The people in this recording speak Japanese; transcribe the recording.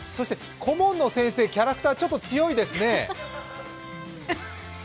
顧問の先生、キャラクターちょっと強いですね。